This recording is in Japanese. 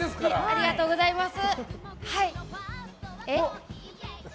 ありがとうございます。